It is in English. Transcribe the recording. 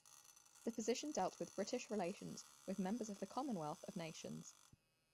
The position dealt with British relations with members of the Commonwealth of Nations.